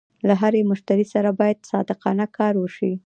له هر مشتري سره باید صادقانه کار وشي.